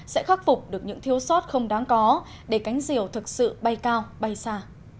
sẽ khắc phục được những thiếu sót không đáng có để cánh diều thực sự bay cao bay xa